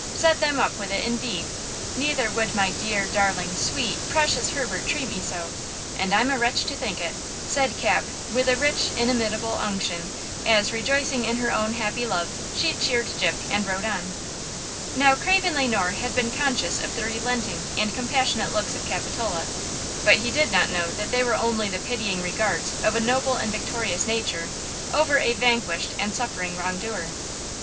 Set them up with it, indeed! Neither would my dear, darling, sweet, precious Herbert treat me so, and I'm a wretch to think of it!" said Cap, with a rich inimitable unction as, rejoicing in her own happy love, she cheered Gyp and rode on. Now, Craven Le Noir had been conscious of the relenting and compassionate looks of Capitola, but he did not know that they were only the pitying regards of a noble and victorious nature over a vanquished and suffering wrong doer.